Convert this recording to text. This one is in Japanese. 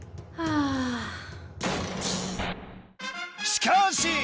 しかし！